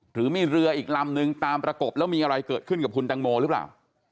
หรือมีเรืออีกลำนึงตามประกบแล้วมีอะไรเกิดขึ้นกับคุณตังโมหรือเปล่า